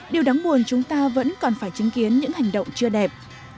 điều đáng buồn chúng ta vẫn còn phải chứng kiến những hành động chưa đẹp